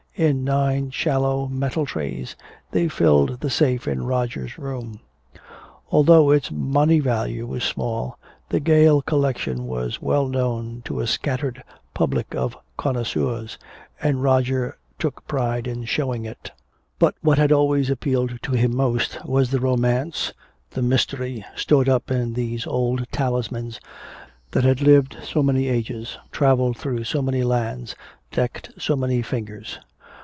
In nine shallow metal trays they filled the safe in Roger's room. Although its money value was small, the Gale collection was well known to a scattered public of connoisseurs, and Roger took pride in showing it. But what had always appealed to him most was the romance, the mystery, stored up in these old talismans that had lived so many ages, travelled through so many lands, decked so many fingers.